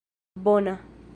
bona